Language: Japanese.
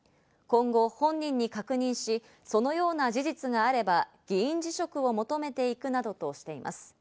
ご本人に確認し、そのような事実があれば議員辞職を求めていくなどとしています。